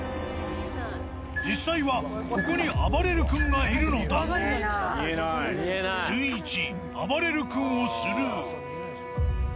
実際はここにはあばれる君がいるのだが、じゅんいち、あばれる君をスルー。